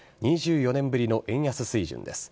２４年ぶりの円安水準です。